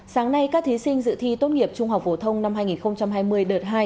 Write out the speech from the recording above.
sáng nay các thí sinh dự thi tốt nghiệp trung học phổ thông năm hai nghìn hai mươi đợt hai